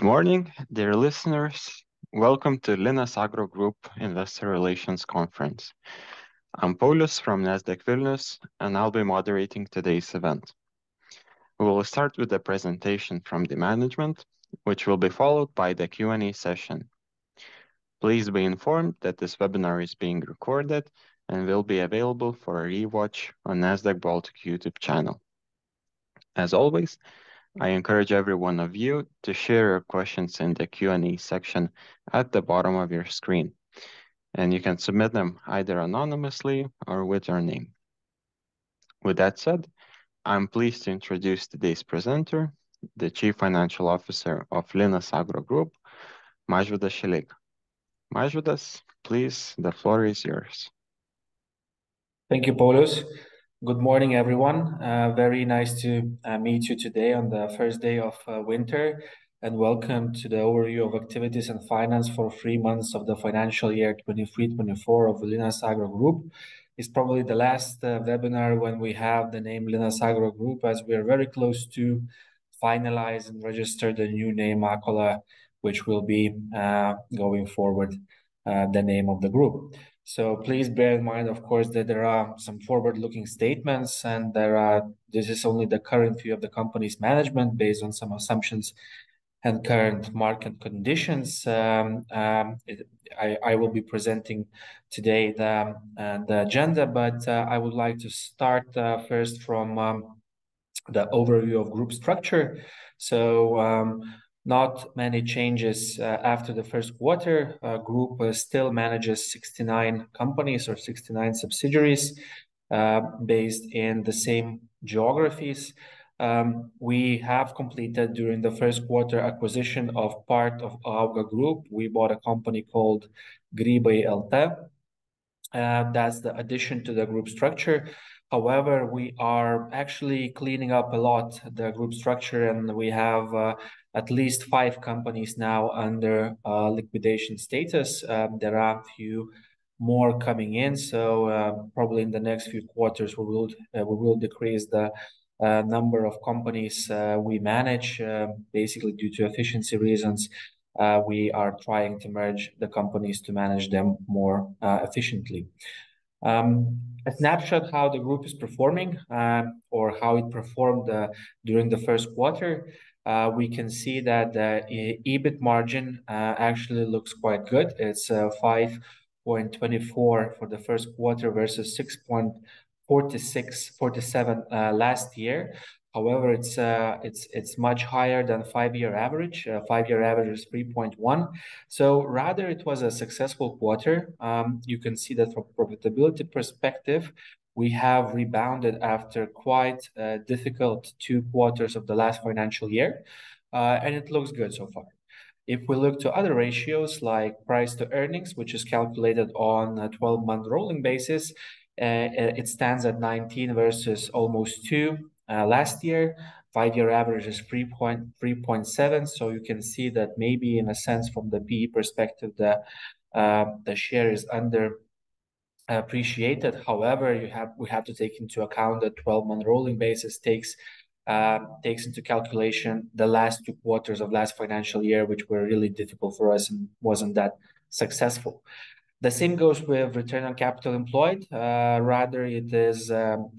Good morning, dear listeners. Welcome to Akola Group investor relations conference. I'm Paulius from Nasdaq Vilnius, and I'll be moderating today's event. We'll start with the presentation from the management, which will be followed by the Q&A session. Please be informed that this webinar is being recorded and will be available for a rewatch on Nasdaq Baltic YouTube channel. As always, I encourage every one of you to share your questions in the Q&A section at the bottom of your screen, and you can submit them either anonymously or with your name. With that said, I'm pleased to introduce today's presenter, the Chief Financial Officer of Akola Group, Mažvydas Šileika. Mažvydas, please, the floor is yours. Thank you, Paulius. Good morning, everyone. Very nice to meet you today on the first day of winter, and welcome to the overview of activities and finance for three months of the financial year 2023-2024 of Linas Agro Group. It's probably the last webinar when we have the name Linas Agro Group, as we are very close to finalize and register the new name, Akola, which will be going forward the name of the group. So please bear in mind, of course, that there are some forward-looking statements and there are. This is only the current view of the company's management, based on some assumptions and current market conditions. I will be presenting today the agenda, but I would like to start first from the overview of group structure. Not many changes after the first quarter. Group still manages 69 companies or 69 subsidiaries based in the same geographies. We have completed, during the first quarter, acquisition of part of AUGA group. We bought a company called Grybai LT. That's the addition to the group structure. However, we are actually cleaning up a lot, the group structure, and we have at least five companies now under liquidation status. There are a few more coming in, so probably in the next few quarters, we will decrease the number of companies we manage. Basically, due to efficiency reasons, we are trying to merge the companies to manage them more efficiently. A snapshot how the group is performing, or how it performed, during the first quarter, we can see that, EBIT margin actually looks quite good. It's 5.24% for the first quarter versus 6.46-6.47 last year. However, it's much higher than five year average. Five year average is 3.1%, so rather it was a successful quarter. You can see that from profitability perspective, we have rebounded after quite difficult two quarters of the last financial year. And it looks good so far. If we look to other ratios, like price to earnings, which is calculated on a 12 month rolling basis, it stands at 19 versus almost two last year. Five year average is 3.37, so you can see that maybe in a sense, from the P/E perspective, the share is underappreciated. However you have- we have to take into account that twelve-month rolling basis takes into calculation the last two quarters of last financial year, which were really difficult for us and wasn't that successful. The same goes with return on capital employed. Rather it is,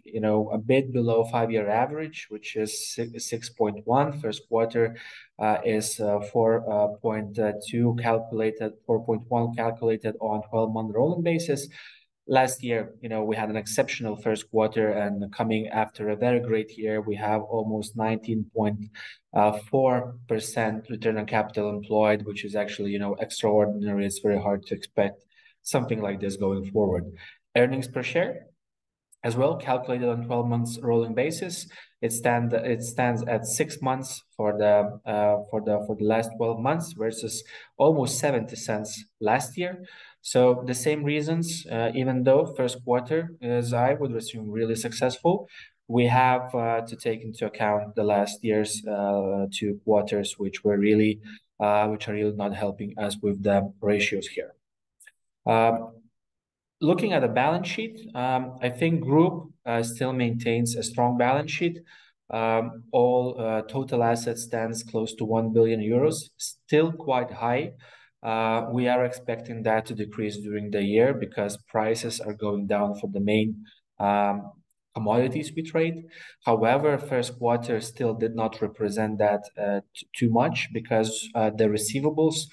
you know, a bit below five-year average, which is 6.1. First quarter is 4.2 calculated... 4.1, calculated on 12 month rolling basis. Last year, you know, we had an exceptional first quarter, and coming after a very great year, we have almost 19.4% return on capital employed, which is actually, you know, extraordinary. It's very hard to expect something like this going forward. Earnings per share, as well, calculated on 12 months rolling basis. It stands at six cents for the last 12 months, versus almost 70 cents last year. So the same reasons, even though first quarter, as I would assume, really successful, we have to take into account the last year's two quarters, which are really not helping us with the ratios here. Looking at the balance sheet, I think group still maintains a strong balance sheet. Total assets stands close to 1 billion euros, still quite high. We are expecting that to decrease during the year because prices are going down for the main commodities we trade. However, first quarter still did not represent that too much because the receivables,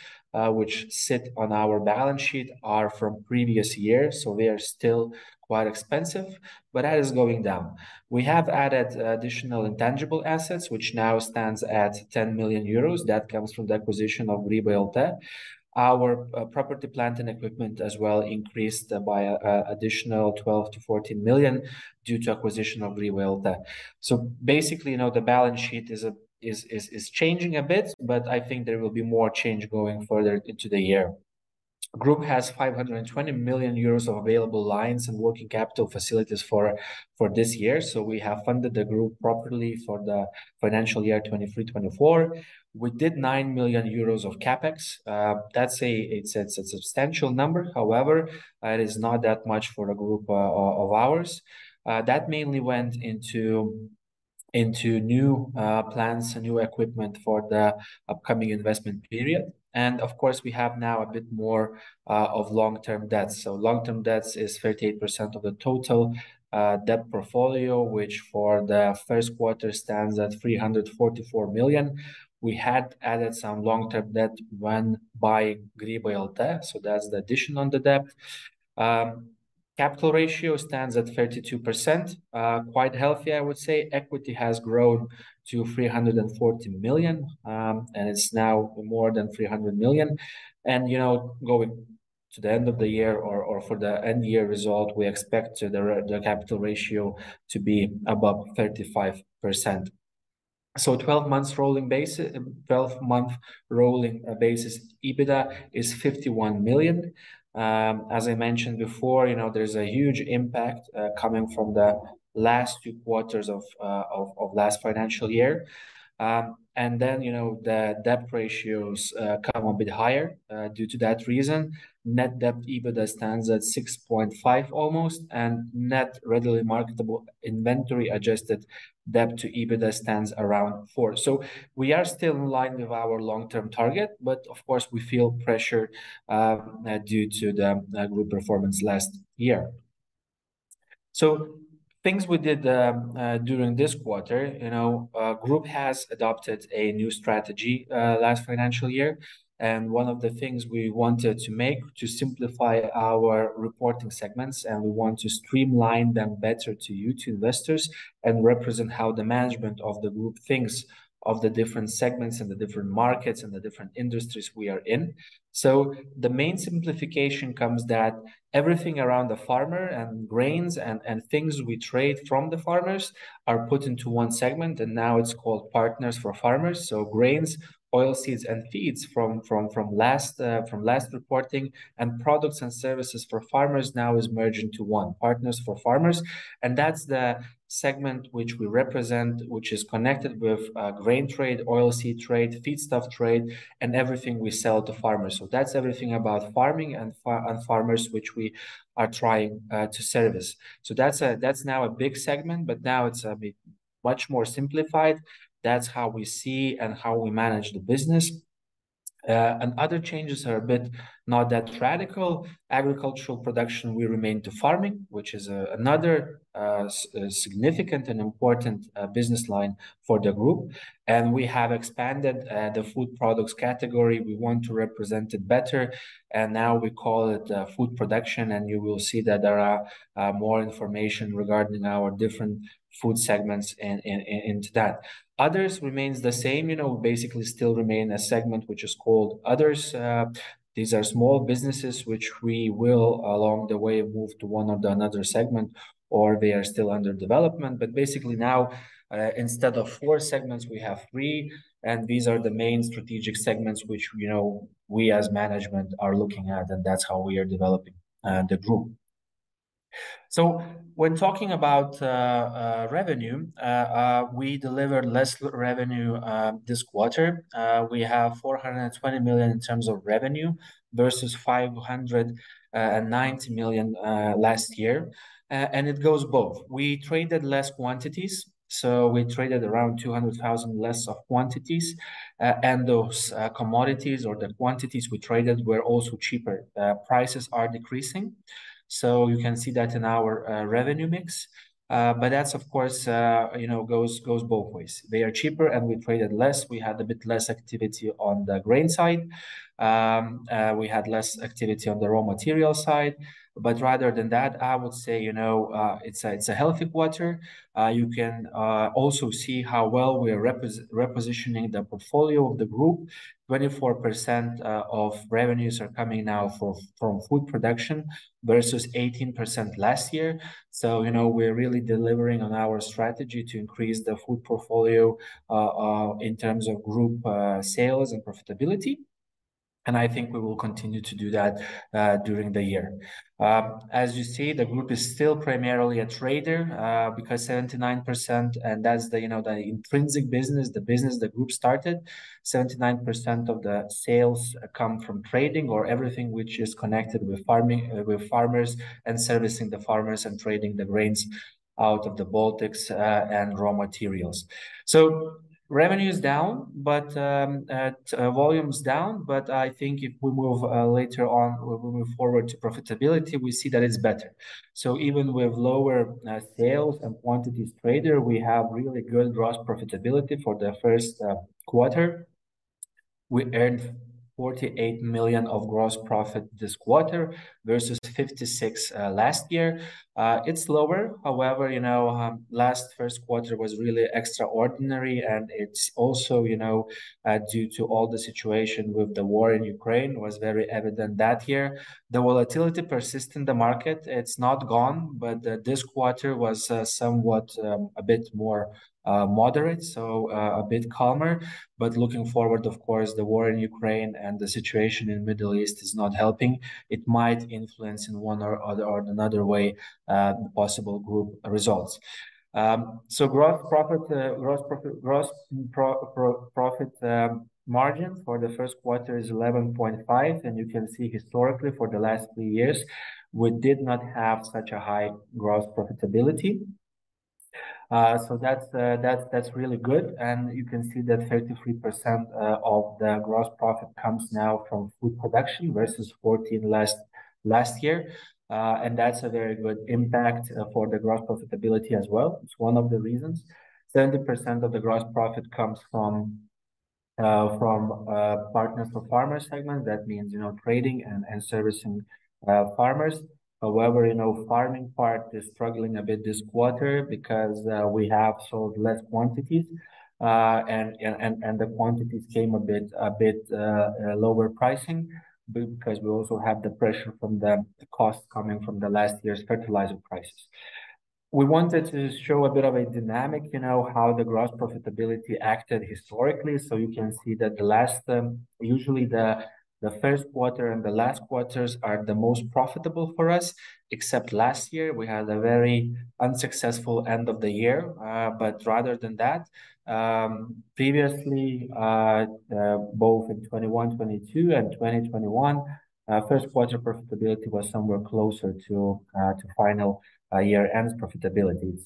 which sit on our balance sheet are from previous years, so they are still quite expensive. But that is going down. We have added additional intangible assets, which now stands at 10 million euros. That comes from the acquisition of Grybai LT. Our property, plant, and equipment as well increased by additional 12 million-14 million due to acquisition of Grybai LT. So basically, you know, the balance sheet is changing a bit, but I think there will be more change going further into the year. Group has 520 million euros of available lines and working capital facilities for this year, so we have funded the group properly for the financial year 2023/2024. We did 9 million euros of CapEx. That's a substantial number; however, it is not that much for a group of ours. That mainly went into new plants and new equipment for the upcoming investment period. And of course, we have now a bit more of long-term debt. So long-term debts is 38% of the total debt portfolio, which for the first quarter stands at 344 million. We had added some long-term debt when buying Grybai LT, so that's the addition on the debt. Capital ratio stands at 32%. Quite healthy, I would say. Equity has grown to 340 million, and it's now more than 300 million. And, you know, going to the end of the year or for the end year result, we expect the capital ratio to be above 35%. So 12 month rolling basis—a 12 month rolling basis, EBITDA is 51 million. As I mentioned before, you know, there's a huge impact coming from the last two quarters of last financial year. And then, you know, the debt ratios come a bit higher due to that reason. Net debt to EBITDA stands at 6.5 almost, and net readily marketable inventory adjusted debt to EBITDA stands around 4. So we are still in line with our long-term target, but of course, we feel pressure due to the group performance last year. So things we did during this quarter, you know, group has adopted a new strategy last financial year. And one of the things we wanted to make to simplify our reporting segments, and we want to streamline them better to you, to investors, and represent how the management of the group thinks of the different segments and the different markets and the different industries we are in. So the main simplification comes that everything around the farmer and grains and things we trade from the farmers are put into one segment, and now it's called Partners for Farmers. So Grains, Oilseeds, and Feeds from last reporting and Products and Services for Farmers now is merged into one, Partners for Farmers. And that's the segment which we represent, which is connected with grain trade, oilseed trade, feedstock trade, and everything we sell to farmers. So that's everything about Farming and farmers, which we are trying to service. So that's now a big segment, but now it's be much more simplified. That's how we see and how we manage the business. And other changes are a bit not that radical. Agricultural Production, we remain to Farming, which is another a significant and important business line for the group. And we have expanded the food products category. We want to represent it better, and now we call it Food Production, and you will see that there are more information regarding our different food segments into that. Others remains the same, you know, basically still remain a segment which is called Others. These are small businesses which we will, along the way, move to one or another segment, or they are still under development. But basically now, instead of four segments, we have three, and these are the main strategic segments which, you know, we as management are looking at, and that's how we are developing the group. So when talking about revenue, we delivered less revenue this quarter. We have 420 million in terms of revenue, versus 590 million last year. And it goes both. We traded less quantities, so we traded around 200,000 less of quantities. And those commodities or the quantities we traded were also cheaper. Prices are decreasing, so you can see that in our revenue mix. But that's of course, you know, goes, goes both ways. They are cheaper, and we traded less. We had a bit less activity on the grain side. We had less activity on the raw material side. But rather than that, I would say, you know, it's a healthy quarter. You can also see how well we are repositioning the portfolio of the group. 24% of revenues are coming now from Food Production, versus 18% last year. So, you know, we're really delivering on our strategy to increase the food portfolio in terms of group sales and profitability, and I think we will continue to do that during the year. As you see, the group is still primarily a trader because 79%, and that's the, you know, the intrinsic business, the business the group started. 79% of the sales come from trading or everything which is connected with Farming, with farmers, and servicing the farmers, and trading the grains out of the, and raw materials. So revenue is down, but volume is down, but I think if we move later on, we move forward to profitability, we see that it's better. So even with lower sales and quantities traded, we have really good gross profitability for the first quarter. We earned 48 million of gross profit this quarter versus 56 last year. It's lower. However, you know, last first quarter was really extraordinary, and it's also, you know, due to all the situation with the war in Ukraine, was very evident that year. The volatility persist in the market. It's not gone, but this quarter was somewhat a bit more moderate, so a bit calmer. But looking forward, of course, the war in Ukraine and the situation in the Middle East is not helping. It might influence in one or other or another way the possible group results. So gross profit margin for the first quarter is 11.5%, and you can see historically, for the last three years, we did not have such a high gross profitability. So that's really good. And you can see that 33% of the gross profit comes now from Food Production versus 14% last year. And that's a very good impact for the gross profitability as well. It's one of the reasons. 70% of the gross profit comes from Partners for Farmers segment. That means, you know, trading and servicing farmers. However, you know, Farming part is struggling a bit this quarter because we have sold less quantities. And the quantities came a bit lower pricing because we also have the pressure from the cost coming from the last year's fertilizer prices. We wanted to show a bit of a dynamic, you know, how the gross profitability acted historically. So you can see that the last. Usually the first quarter and the last quarters are the most profitable for us, except last year, we had a very unsuccessful end of the year. But rather than that, previously, both in 2021, 2022, and 2021, first quarter profitability was somewhere closer to final year-end profitability.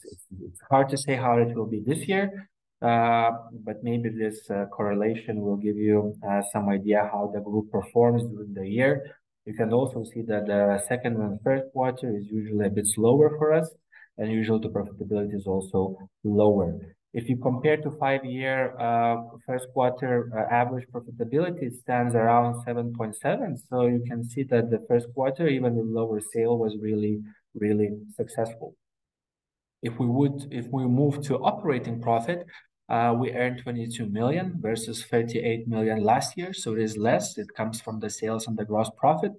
It's hard to say how it will be this year, but maybe this correlation will give you some idea how the group performs during the year. You can also see that second and first quarter is usually a bit slower for us, and usually the profitability is also lower. If you compare to five year first quarter average profitability stands around 7.7%. So you can see that the first quarter, even with lower sale, was really, really successful. If we move to operating profit, we earned 22 million versus 38 million last year, so it is less. It comes from the sales and the gross profit.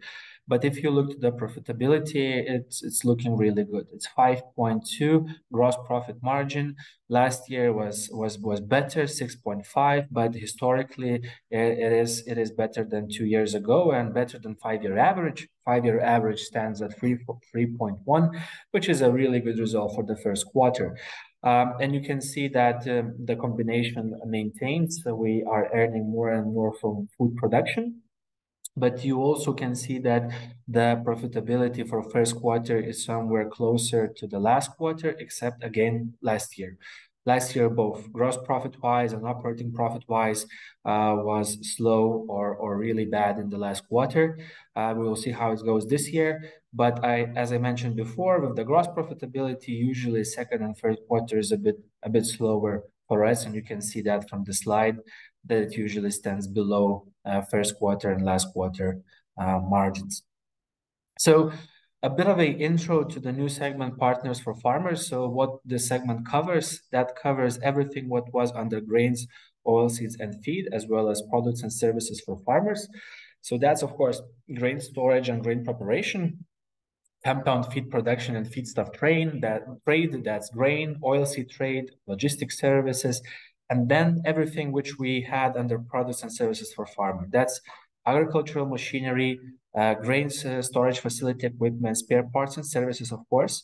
But if you look at the profitability, it's looking really good. It's 5.2% gross profit margin. Last year was better, 6.5%, but historically, it is better than two years ago and better than five year average. Five year average stands at 3.1%, which is a really good result for the first quarter. And you can see that the combination maintains, so we are earning more and more from Food Production. But you also can see that the profitability for first quarter is somewhere closer to the last quarter, except again, last year. Last year, both gross profit-wise and operating profit-wise, was slow or really bad in the last quarter. We will see how it goes this year. But I. As I mentioned before, with the gross profitability, usually second and third quarter is a bit, a bit slower for us, and you can see that from the slide, that it usually stands below first quarter and last quarter margins. So a bit of an intro to the new segment, Partners for Farmers. So what the segment covers, that covers everything, what was under grains, oilseeds, and feed, as well as products and services for farmers. So that's, of course, grain storage and grain preparation, compound feed production and feedstuff trade, that trade, that's grain, oilseed trade, logistic services, and then everything which we had under products and services for farmer. That's agricultural machinery, grains storage facility equipment, spare parts and services, of course,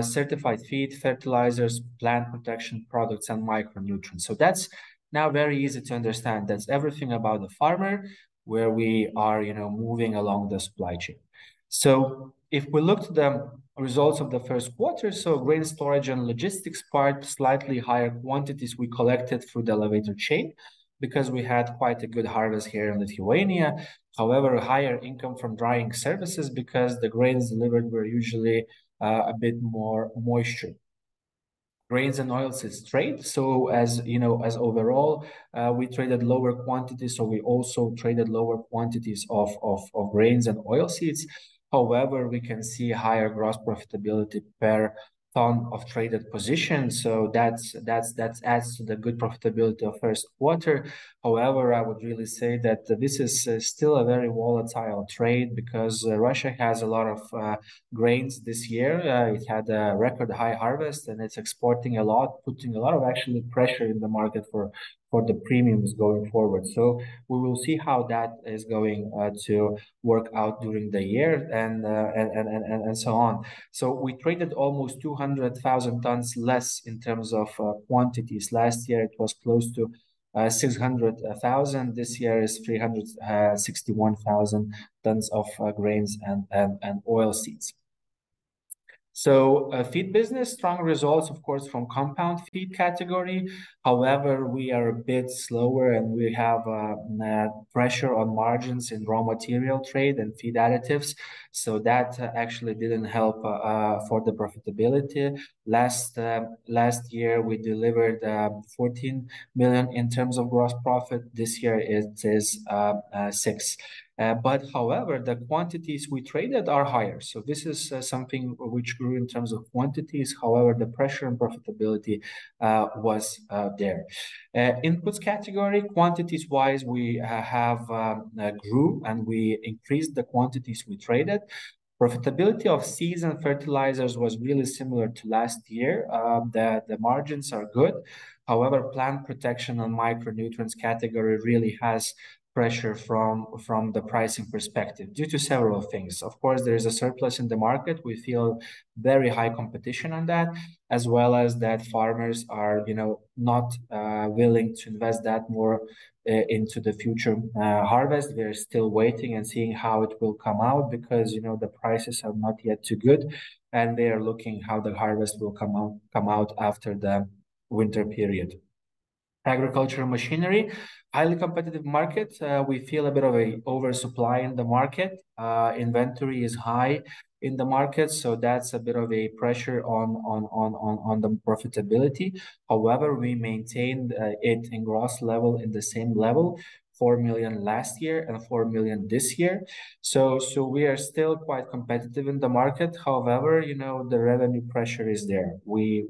certified feed, fertilizers, plant protection products, and micronutrients. So that's now very easy to understand. That's everything about the farmer, where we are, you know, moving along the supply chain. So if we look to the results of the first quarter, so grain storage and logistics part, slightly higher quantities we collected through the elevator chain because we had quite a good harvest here in Lithuania. However, a higher income from drying services because the grains delivered were usually a bit more moisture. Grains and oilseeds trade. So as you know, as overall, we traded lower quantities, so we also traded lower quantities of grains and oilseeds. However, we can see higher gross profitability per ton of traded position, so that's adds to the good profitability of first quarter. However, I would really say that this is still a very volatile trade because Russia has a lot of grains this year. It had a record-high harvest, and it's exporting a lot, putting a lot of actually pressure in the market for the premiums going forward. So we will see how that is going to work out during the year and so on. So we traded almost 200,000 tons less in terms of quantities. Last year, it was close to 600,000. This year is 361,000 tons of grains and oilseeds. So, feed business. Strong results, of course, from compound feed category. However, we are a bit slower, and we have pressure on margins in raw material trade and feed additives. So that actually didn't help for the profitability. Last year, we delivered 14 million in terms of gross profit. This year, it is six. But however, the quantities we traded are higher, so this is something which grew in terms of quantities. However, the pressure and profitability was there. Inputs category, quantities-wise, we have grew, and we increased the quantities we traded. Profitability of seeds and fertilizers was really similar to last year. The margins are good. However, plant protection and micronutrients category really has pressure from the pricing perspective due to several things. Of course, there is a surplus in the market. We feel very high competition on that, as well as that farmers are, you know, not willing to invest that more into the future harvest. They're still waiting and seeing how it will come out because, you know, the prices are not yet too good, and they are looking how the harvest will come out, come out after the winter period. Agricultural machinery, highly competitive market. We feel a bit of an oversupply in the market. Inventory is high in the market, so that's a bit of a pressure on the profitability. However, we maintained it in gross level, in the same level, 4 million last year and 4 million this year. So we are still quite competitive in the market. However, you know, the revenue pressure is there. We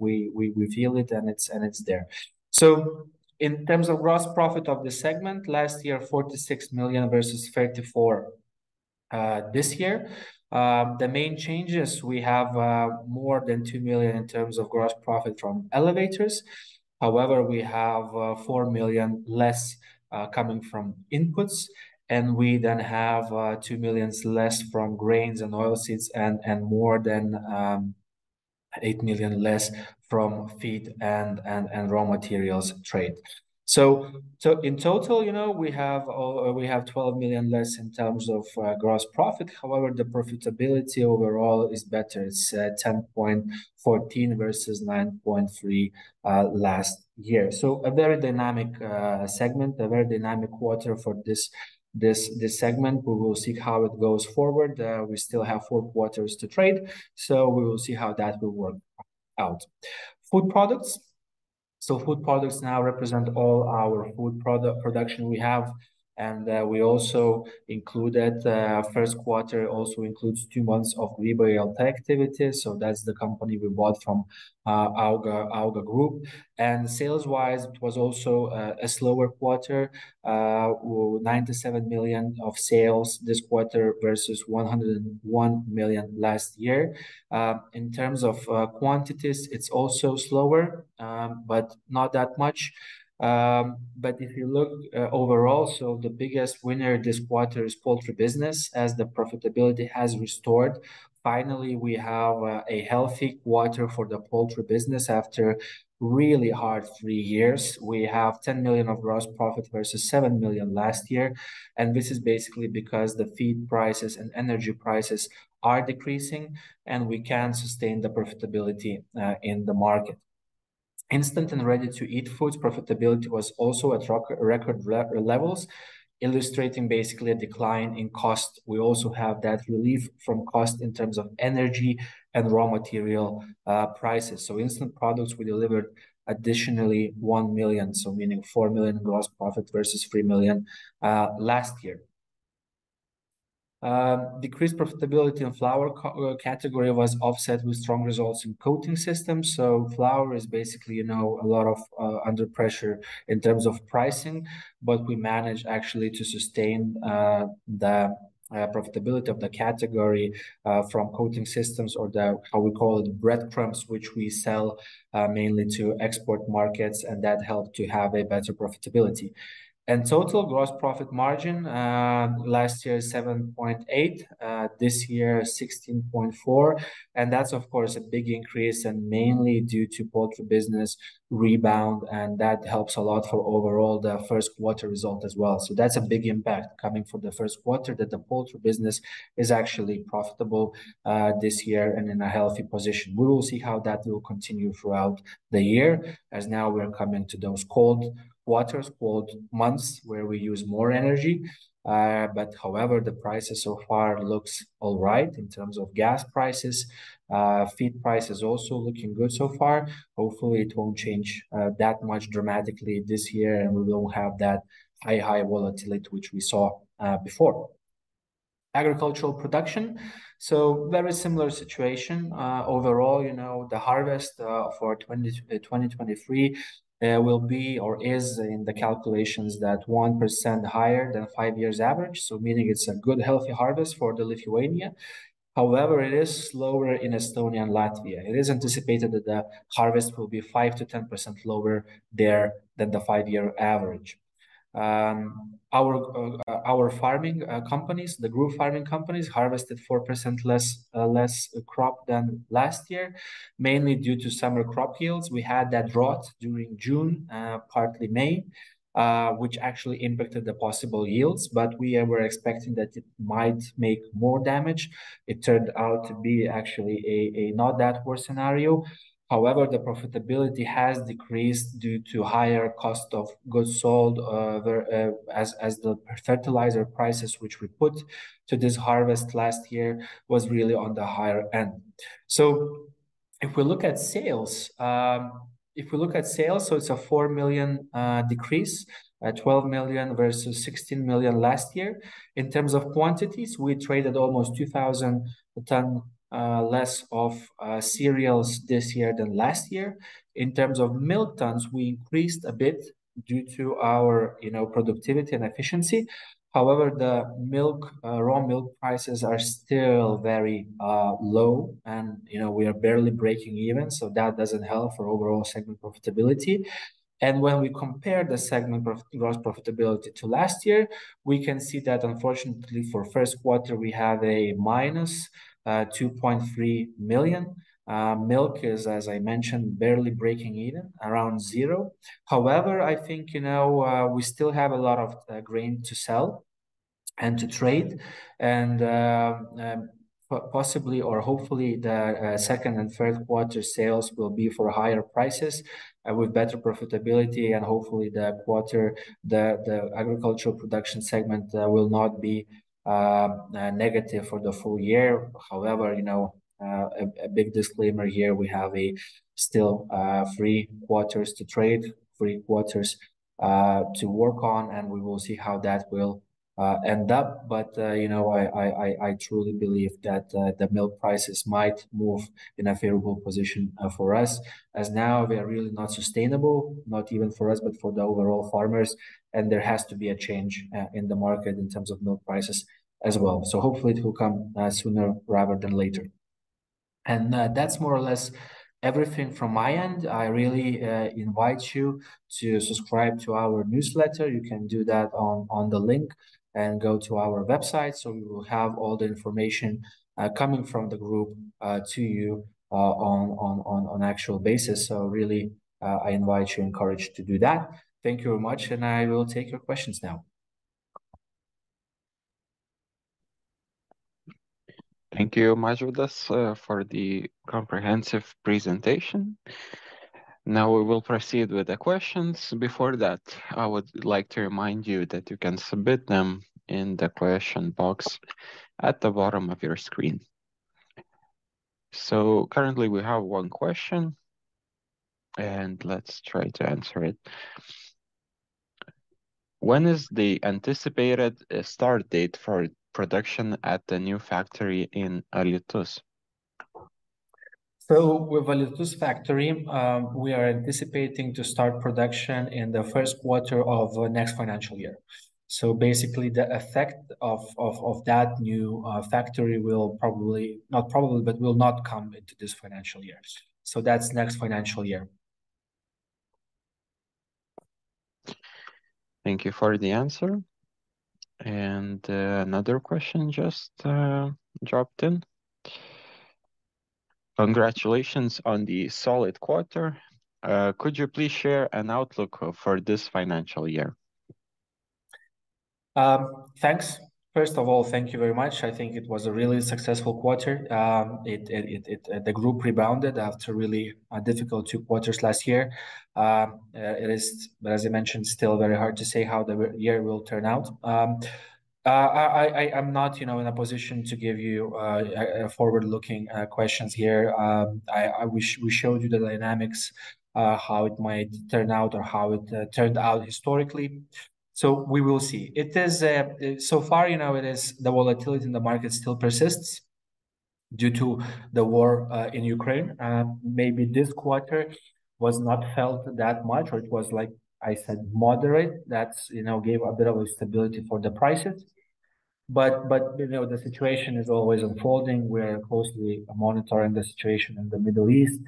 feel it, and it's there. So in terms of gross profit of the segment, last year, 46 million versus 34 million this year. The main changes, we have more than 2 million in terms of gross profit from elevators. However, we have 4 million less coming from inputs, and we then have 2 million less from grains and oilseeds and more than 8 million less from feed and raw materials trade. So in total, you know, we have 12 million less in terms of gross profit. However, the profitability overall is better. It's 10.14% versus 9.3% last year. So a very dynamic segment, a very dynamic quarter for this segment. We will see how it goes forward. We still have four quarters to trade, so we will see how that will work out. Food products. So food products now represent all our food product production we have, and we also included first quarter also includes two months of Grybai LT activities. So that's the company we bought from AUGA group. And sales-wise, it was also a slower quarter, 97 million of sales this quarter, versus 101 million last year. In terms of quantities, it's also slower, but not that much. But if you look overall, so the biggest winner this quarter is poultry business, as the profitability has restored. Finally, we have a healthy quarter for the poultry business after really hard three years. We have 10 million of gross profit, versus 7 million last year, and this is basically because the feed prices and energy prices are decreasing, and we can sustain the profitability in the market. Instant and ready to eat foods, profitability was also at record levels, illustrating basically a decline in cost. We also have that relief from cost in terms of energy and raw material prices. So instant products, we delivered additionally 1 million, so meaning 4 million in gross profit versus 3 million last year. Decreased profitability in flour category was offset with strong results in coating systems. So flour is basically, you know, a lot of under pressure in terms of pricing, but we managed actually to sustain the profitability of the category from coating systems or the, how we call it, breadcrumbs, which we sell mainly to export markets, and that helped to have a better profitability. Total gross profit margin, last year, 7.8%, this year, 16.4%, and that's of course a big increase and mainly due to poultry business rebound, and that helps a lot for overall the first quarter result as well. So that's a big impact coming from the first quarter that the poultry business is actually profitable this year and in a healthy position. We will see how that will continue throughout the year, as now we're coming to those cold waters, cold months, where we use more energy. But however, the prices so far looks all right in terms of gas prices. Feed prices also looking good so far. Hopefully, it won't change that much dramatically this year, and we won't have that high, high volatility which we saw before. Agricultural production, so very similar situation. Overall, you know, the harvest for 2023 will be or is in the calculations that 1% higher than five year average, so meaning it's a good, healthy harvest for Lithuania. However, it is slower in Estonia and Latvia. It is anticipated that the harvest will be 5%-10% lower there than the five year average. Our Farming companies, the group Farming companies, harvested 4% less crop than last year, mainly due to summer crop yields. We had that drought during June, partly May, which actually impacted the possible yields, but we were expecting that it might make more damage. It turned out to be actually a not that worse scenario. However, the profitability has decreased due to higher cost of goods sold, as the fertilizer prices, which we put to this harvest last year, was really on the higher end. So if we look at sales, so it's a 4 million decrease, twelve million versus sixteen million last year. In terms of quantities, we traded almost 2,000 tons less of cereals this year than last year. In terms of milk tons, we increased a bit due to our, you know, productivity and efficiency. However, the milk raw milk prices are still very low and, you know, we are barely breaking even, so that doesn't help for overall segment profitability. When we compare the segment profit, gross profitability to last year, we can see that unfortunately for first quarter, we have a -2.3 million. Milk is, as I mentioned, barely breaking even, around zero. However, I think, you know, we still have a lot of grain to sell and to trade, and possibly or hopefully the second and third quarter sales will be for higher prices, with better profitability and hopefully the quarter, the Agricultural Production segment will not be negative for the full year. However, you know, a big disclaimer here, we still have three quarters to trade, three quarters to work on, and we will see how that will end up. But you know, I truly believe that the milk prices might move in a favorable position for us, as now they are really not sustainable, not even for us, but for the overall farmers, and there has to be a change in the market in terms of milk prices as well. So hopefully it will come sooner rather than later. And that's more or less everything from my end. I really invite you to subscribe to our newsletter. You can do that on the link and go to our website, so you will have all the information coming from the group to you on actual basis. So really I invite you, encourage you to do that. Thank you very much, and I will take your questions now. Thank you very much with us for the comprehensive presentation. Now we will proceed with the questions. Before that, I would like to remind you that you can submit them in the question box at the bottom of your screen. So currently, we have one question, and let's try to answer it. When is the anticipated start date for production at the new factory in Alytus? So with Alytus factory, we are anticipating to start production in the first quarter of next financial year. So basically, the effect of that new factory will probably... Not probably, but will not come into this financial year. So that's next financial year. Thank you for the answer. And, another question just dropped in. Congratulations on the solid quarter. Could you please share an outlook for this financial year? Thanks. First of all, thank you very much. I think it was a really successful quarter. The group rebounded after really a difficult two quarters last year. It is, as I mentioned, still very hard to say how the year will turn out. I'm not, you know, in a position to give you a forward-looking questions here. We showed you the dynamics of how it might turn out or how it turned out historically. So we will see. It is, so far, you know, it is the volatility in the market still persists due to the war in Ukraine, and maybe this quarter was not felt that much, or it was, like I said, moderate. That's, you know, gave a bit of stability for the prices. But you know, the situation is always unfolding. We're closely monitoring the situation in the Middle East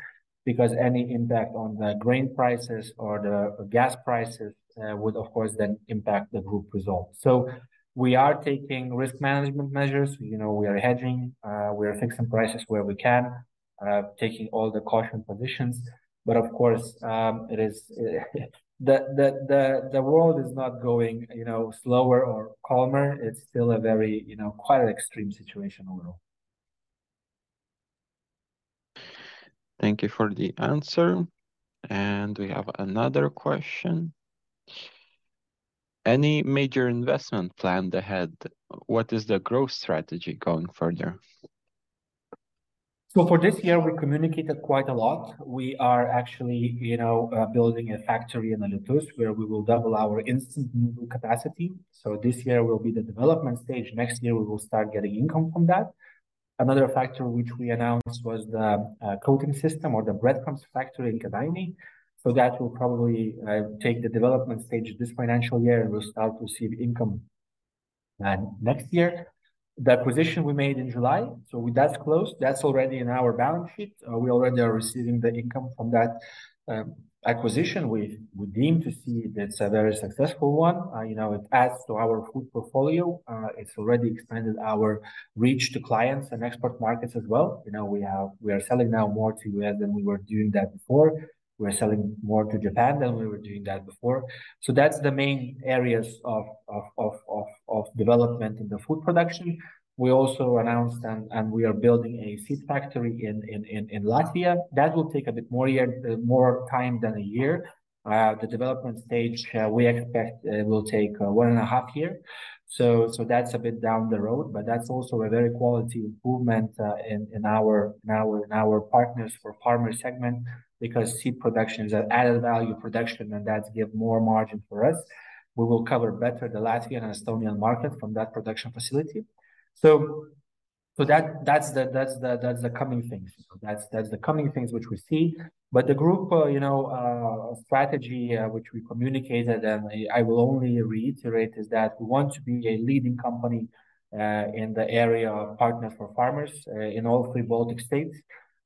because any impact on the grain prices or the gas prices would of course then impact the group results. So we are taking risk management measures, you know, we are hedging, we are fixing prices where we can, taking all the caution positions. But of course, it is, the world is not going, you know, slower or calmer. It's still a very, you know, quite an extreme situation overall. Thank you for the answer, and we have another question. Any major investment plan ahead? What is the growth strategy going further? For this year, we communicated quite a lot. We are actually, you know, building a factory in Alytus, where we will double our instant noodle capacity. This year will be the development stage. Next year, we will start getting income from that. Another factor which we announced was the coating system or the breadcrumbs factory in Kėdainiai. That will probably take the development stage this financial year, and we'll start to see the income next year. The acquisition we made in July, so with that close, that's already in our balance sheet. We already are receiving the income from that acquisition. We deem to see that's a very successful one. You know, it adds to our food portfolio. It's already expanded our reach to clients and export markets as well. You know, we are selling now more to U.S. than we were doing that before. We're selling more to Japan than we were doing that before. So that's the main areas of development in the Food Production. We also announced, and we are building a seed factory in Latvia, that will take a bit more time than a year. The development stage we expect will take one and a- half year. So that's a bit down the road, but that's also a very quality improvement in our Partners for Farmers segment because seed production is an added value production, and that give more margin for us. We will cover better the Latvian and Estonian market from that production facility. That's the coming things. That's the coming things which we see. But the group, you know, strategy, which we communicated, and I will only reiterate, is that we want to be a leading company in the area of Partners for Farmers in all three Baltic states.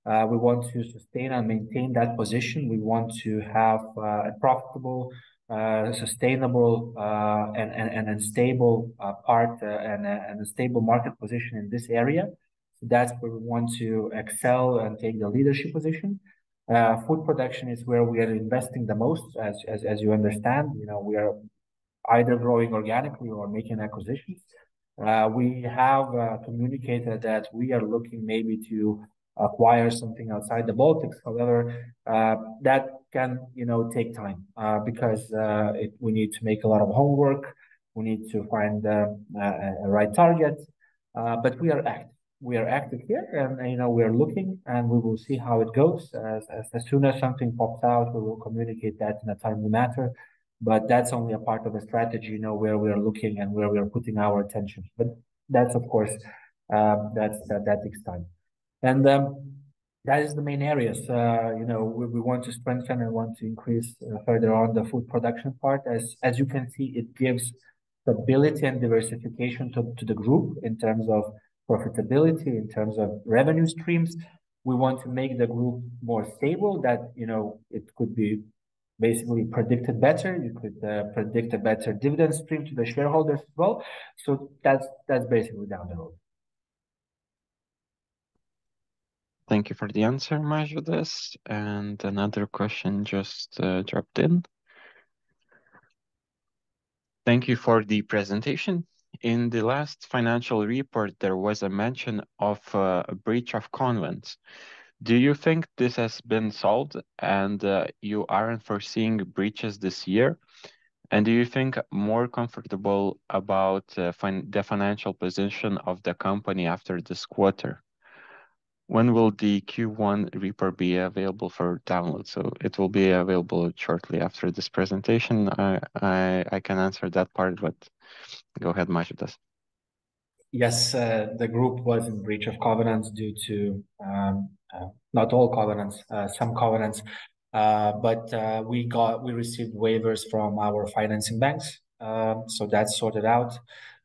We want to sustain and maintain that position. We want to have a profitable, sustainable, and stable market position in this area. That's where we want to excel and take the leadership position. Food production is where we are investing the most. As you understand, you know, we are either growing organically or making acquisitions. We have communicated that we are looking maybe to acquire something outside the Baltics. However, that can, you know, take time, because we need to make a lot of homework. We need to find a right target. But we are active here, and, you know, we are looking, and we will see how it goes. As soon as something pops out, we will communicate that in a timely manner, but that's only a part of a strategy, you know, where we are looking and where we are putting our attention. But that's, of course, that takes time. And that is the main areas. You know, we want to strengthen and we want to increase further on the Food Production part. As you can see, it gives stability and diversification to the group in terms of profitability, in terms of revenue streams. We want to make the group more stable, that, you know, it could be basically predicted better, you could, predict a better dividend stream to the shareholders as well. So that's, that's basically down the road. Thank you for the answer, Mažvydas. Another question just dropped in. "Thank you for the presentation. In the last financial report, there was a mention of a breach of covenants. Do you think this has been solved, and you aren't foreseeing breaches this year? Do you think more comfortable about the financial position of the company after this quarter? When will the Q1 report be available for download?" It will be available shortly after this presentation. I can answer that part, but go ahead, Mažvydas. Yes, the group was in breach of covenants due to not all covenants, some covenants. But we received waivers from our financing banks. So that's sorted out.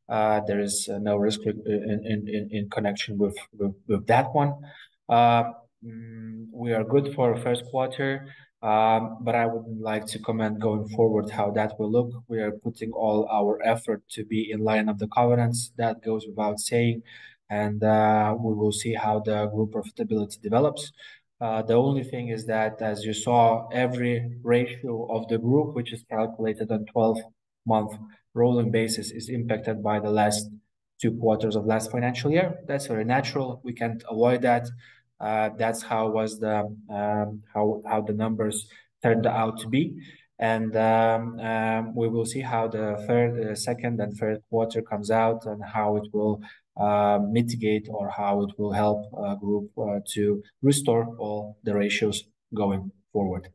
There is no risk in connection with that one. We are good for first quarter, but I wouldn't like to comment going forward how that will look. We are putting all our effort to be in line of the covenants, that goes without saying, and we will see how the group profitability develops. The only thing is that, as you saw, every ratio of the group, which is calculated on 12 month rolling basis, is impacted by the last two quarters of last financial year. That's very natural. We can't avoid that. That's how the numbers turned out to be. We will see how the second and third quarter comes out, and how it will mitigate or how it will help group to restore all the ratios going forward.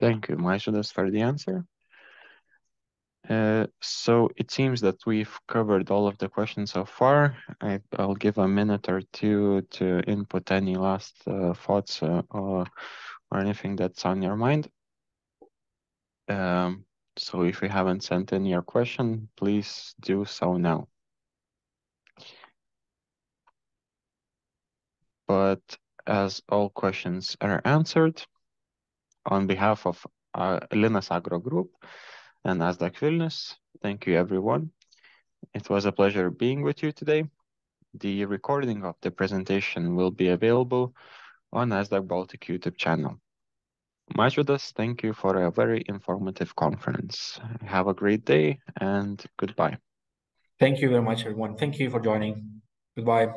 Thank you, Mažvydas, for the answer. So it seems that we've covered all of the questions so far. I'll give a minute or two to input any last thoughts, or anything that's on your mind. If you haven't sent in your question, please do so now. But as all questions are answered, on behalf of Linas Agro Group and Nasdaq Vilnius, thank you, everyone. It was a pleasure being with you today. The recording of the presentation will be available on Nasdaq Baltic YouTube channel. Mažvydas, thank you for a very informative conference. Have a great day, and goodbye. Thank you very much, everyone. Thank you for joining. Goodbye.